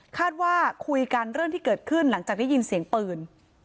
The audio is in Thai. ว่าคุยกันเรื่องที่เกิดขึ้นหลังจากได้ยินเสียงปืน